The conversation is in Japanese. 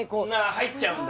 入っちゃうんだ